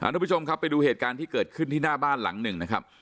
ทุกผู้ชมครับไปดูเหตุการณ์ที่เกิดขึ้นที่หน้าบ้านหลังหนึ่งนะครับ